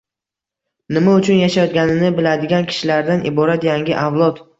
nima uchun yashayotganini biladigan kishilardan iborat yangi avlod